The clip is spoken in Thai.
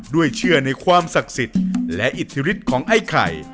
เชื่อในความศักดิ์สิทธิ์และอิทธิฤทธิ์ของไอ้ไข่